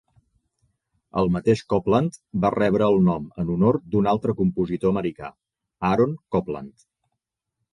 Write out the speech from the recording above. El mateix Copland va rebre el nom en honor d'un altre compositor americà, Aaron Copland.